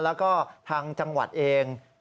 แล้วก็ทางจังหวัดเอง